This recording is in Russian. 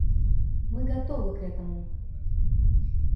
Мы готовы к этому.